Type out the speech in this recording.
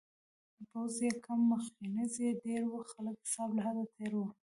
پوځ یې کم میخزن یې ډیر و-خلکه حساب له حده تېر و